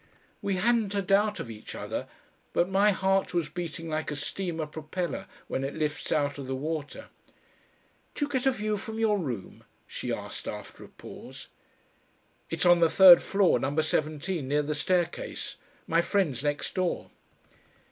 We hadn't a doubt of each other, but my heart was beating like a steamer propeller when it lifts out of the water. "Do you get a view from your room?" she asked after a pause. "It's on the third floor, Number seventeen, near the staircase. My friend's next door."